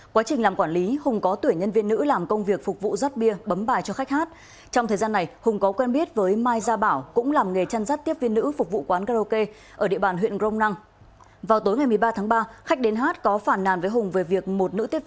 quá trình làm quản lý hùng có tuổi nhân viên nữ làm công việc phục vụ rắt bia bấm bài cho khách hát